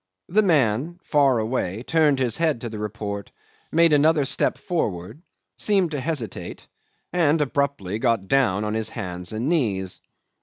The man, far away, turned his head to the report, made another step forward, seemed to hesitate, and abruptly got down on his hands and knees.